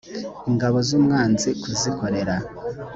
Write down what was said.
ingabo z umwanzi kuzikorera